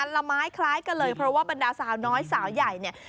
ละไม้คล้ายกันเลยเพราะว่าบรรดาสาวน้อยสาวใหญ่เนี่ย